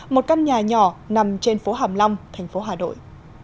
một căn nhà nhỏ nằm trên phố hàm long thành phố hà nội